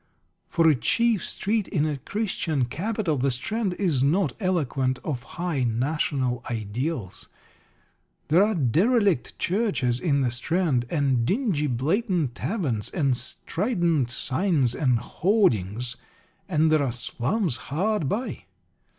For a chief street in a Christian capital, the Strand is not eloquent of high national ideals. There are derelict churches in the Strand, and dingy blatant taverns, and strident signs and hoardings; and there are slums hard by.